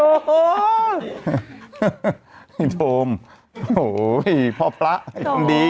โอ้โหพี่โทมโอ้โหพ่อพระยังดี